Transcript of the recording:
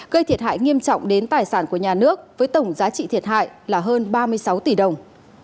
gây thiệt hại nghiêm trọng đến tài sản của nhà nước với tổng giá trị thiệt hại là hơn ba mươi sáu tỷ đồng